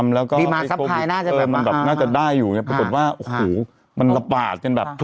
หมื่นวันยังจะได้อยู่ปรากฏว่ามันระปาด